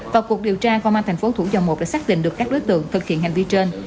vào cuộc điều tra công an thành phố thủ dầu một đã xác định được các đối tượng thực hiện hành vi trên